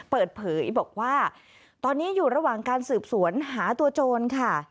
เปิดเผยบอกว่าตอนนี้อยู่ระหว่างการสืบสวนหาตัวโจรค่ะ